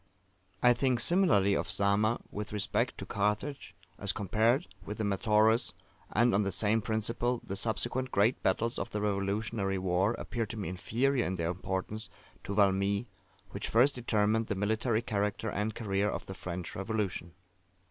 I think similarly of Zama with respect to Carthage, as compared with the Metaurus: and, on the same principle, the subsequent great battles of the Revolutionary war appear to me inferior in their importance to Valmy, which first determined the military character and career of the French Revolution.